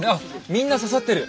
みんな刺さってる。